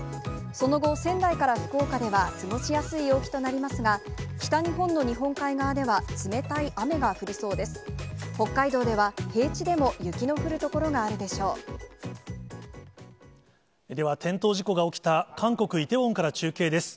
その後、仙台から福岡では過ごしやすい陽気となりますが、北日本の日本海側では、冷たい雨が降りそうです。